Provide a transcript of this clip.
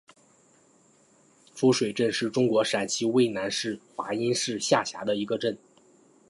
夫水镇是中国陕西省渭南市华阴市下辖的一个镇。